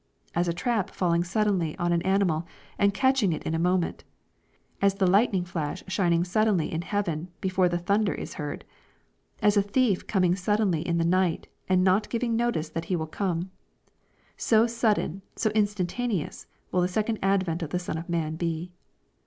'' As a trap falling suddenly on an animal, and catching it in a moment, — as the lightning flash shining suddenly in heaven, before the thunder is heard, — as a thief coming suddenly in the night, and not giving notice that he will come, — so sud den, so instantaneous will the second advent of the Son of man be.